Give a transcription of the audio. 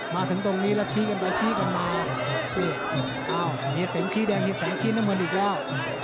มาถึงตรงนี้แล้วชี้กันไปชี้กันมาอ้าวเห็นเสียงชี้แดงเห็นเสียงชี้น้ำมันอีกแล้ว